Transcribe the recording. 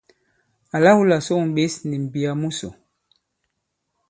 Àla wu là sôŋ ɓěs nì m̀mbiyà musò.